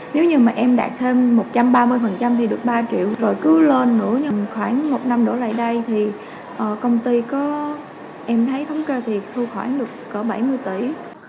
nếu như mà em đạt thêm một trăm ba mươi thì được ba triệu rồi cứ lên nữa nhưng khoảng một năm đổ lại đây thì công ty có em thấy thống kê thì thu khoảng bảy mươi tỷ